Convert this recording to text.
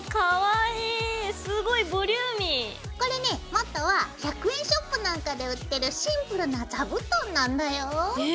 これねもとは１００円ショップなんかで売ってるシンプルな座布団なんだよ。え？